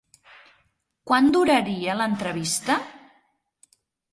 Quant duraria l'entrevista?